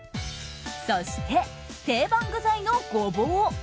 そして、定番具材のゴボウ。